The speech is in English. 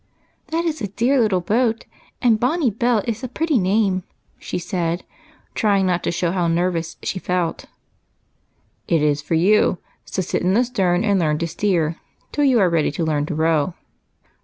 "That is a dear little boat; and 'Bonnie Belle' is a pretty name," she said, trying not to show how nervous she felt. " It is for you ; so sit in the stern and learn to steer, till you are ready to learn to row."